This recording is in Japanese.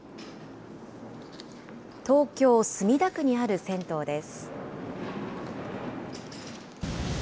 東京・墨田区にある銭湯です。